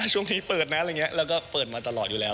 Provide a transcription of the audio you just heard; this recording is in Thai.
จริงสเปคมันก็ไม่ได้อะไรมากมาย